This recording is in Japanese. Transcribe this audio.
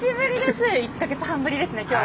１か月半ぶりですね今日。